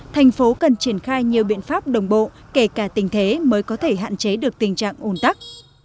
tp cần triển khai nhiều biện pháp đồng bộ kể cả tình thế mới có thể hạn chế được tình trạng ôn tắc